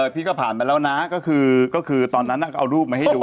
พี่ก็ผ่านไปแล้วนะก็คือตอนนั้นก็เอารูปมาให้ดู